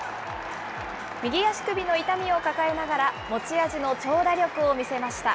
右足首の痛みを抱えながら、持ち味の長打力を見せました。